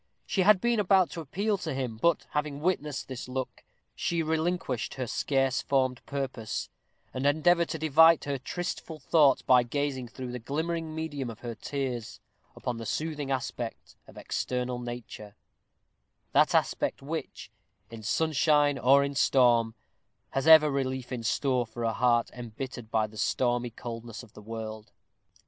She had been about to appeal to him, but having witnessed this look, she relinquished her scarce formed purpose, and endeavored to divert her tristful thoughts by gazing through the glimmering medium of her tears upon the soothing aspect of external nature that aspect which, in sunshine or in storm, has ever relief in store for a heart embittered by the stormy coldness of the world.